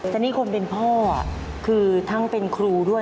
แต่นี่คนเป็นพ่อคือทั้งเป็นครูด้วย